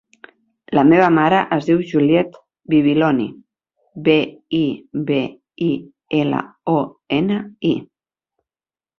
La meva mare es diu Juliette Bibiloni: be, i, be, i, ela, o, ena, i.